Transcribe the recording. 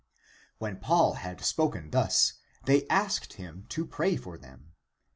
When Paul had spoken thus, they asked him to pray for them.